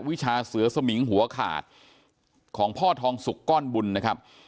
วิชาเสือสมิงหัวขาดของพ่อทองสุกก้อนบุญนะครับ